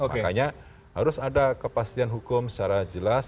makanya harus ada kepastian hukum secara jelas